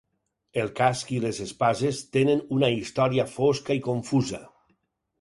El casc i les espases tenen una història fosca i confusa.